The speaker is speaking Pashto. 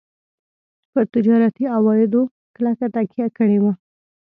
پر تجارتي عوایدو کلکه تکیه کړې وه.